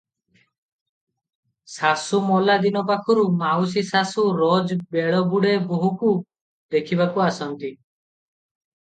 ଶାଶୁ ମଲା ଦିନ ପାଖରୁ ମାଉସୀଶାଶୁ ରୋଜ ବେଳବୁଡ଼େ ବୋହୂକୁ ଦେଖିବାକୁ ଆସନ୍ତି ।